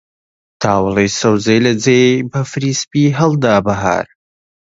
تاوڵی سەوزی لە جێی بەفری سپی هەڵدا بەهار